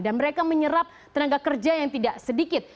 dan mereka menyerap tenaga kerja yang tidak sedikit